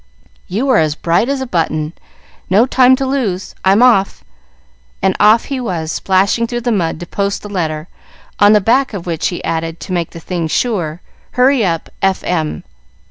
"You are as bright as a button. No time to lose; I'm off;" and off he was, splashing through the mud to post the letter, on the back of which he added, to make the thing sure, "Hurry up. F.M."